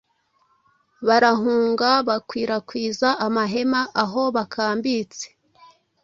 Barahunga bakwirakwiza amahema aho bakambitse